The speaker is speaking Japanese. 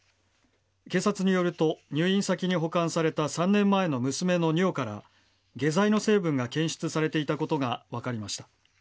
警察によると入院先に保管された３年前の娘の尿から下剤の成分が検出されていたことが分かりました。